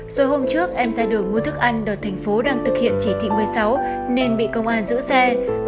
rồi hôm trước em ra đường mua thức ăn đợt thành phố đang thực hiện chỉ thị một mươi sáu nên bị công an giữ xe